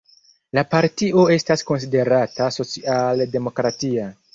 La partio estas konsiderata socialdemokratia.